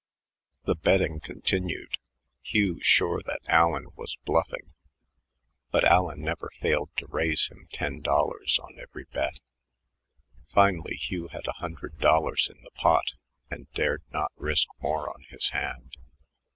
The betting continued, Hugh sure that Allen was bluffing, but Allen never failed to raise him ten dollars on every bet. Finally Hugh had a hundred dollars in the pot and dared not risk more on his hand.